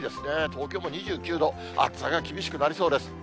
東京も２９度、暑さが厳しくなりそうです。